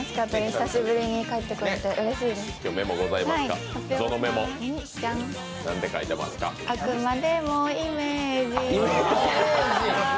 久しぶりに帰ってこられてうれしかったです。